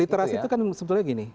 literasi itu kan sebetulnya gini